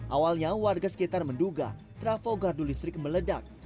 awalnya warga sekitar menduga trafo gardu listrik meledak